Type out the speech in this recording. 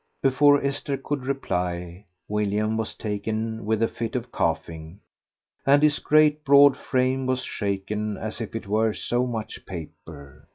Before Esther could reply William was taken with a fit of coughing, and his great broad frame was shaken as if it were so much paper.